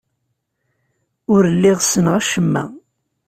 Ur lliɣ ssneɣ acemma.